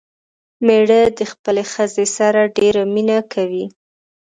مېړه دې خپلې ښځې سره ډېره مينه کوي